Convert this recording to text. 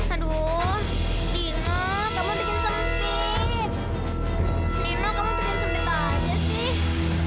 aduh kamu bikin sempit sempit aja sih